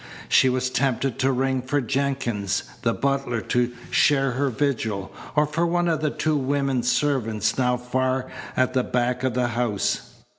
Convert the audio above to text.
She was tempted to ring for Jenkins, the butler, to share her vigil; or for one of the two women servants, now far at the back of the house.